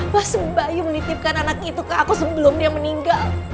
wah sembayu menitipkan anak itu ke aku sebelum dia meninggal